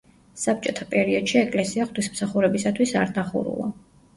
საბჭოთა პერიოდში ეკლესია ღვთისმსახურებისათვის არ დახურულა.